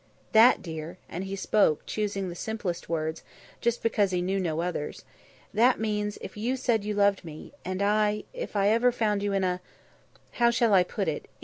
"That, dear," and he spoke choosing the simplest words, just because he knew no others, "that means that if you said you loved me, and I if I ever found you in a how shall I put it?